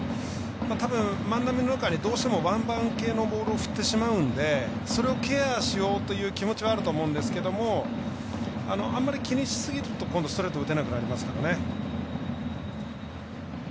たぶん、万波の中にどうしてもワンバン系のボールを振ってしまうのでそれをケアしようという気持ちはあると思うんですがあんまり気にしすぎると今度はストレート打てなくなりますからね。